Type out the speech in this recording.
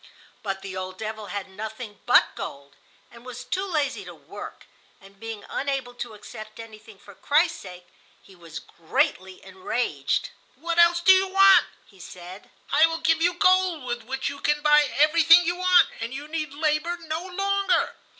But the old devil had nothing but gold, and was too lazy to work; and being unable to accept anything for Christ's sake, he was greatly enraged. "What else do you want?" he said. "I will give you gold with which you can buy everything you want, and you need labor no longer."